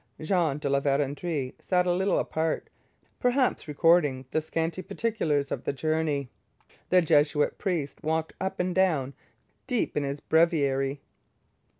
Jean de La Vérendrye sat a little apart, perhaps recording the scanty particulars of the journey. The Jesuit priest walked up and down, deep in his breviary.